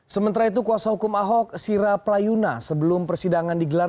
sementara itu kuasa hukum ahok sira playuna sebelum persidangan digelar